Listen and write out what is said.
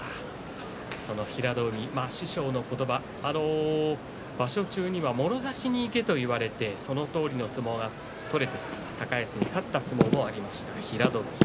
平戸海、師匠の言葉場所中には、もろ差しにいけと言われてそのとおりの相撲が取れて高安に勝った相撲もありました平戸海。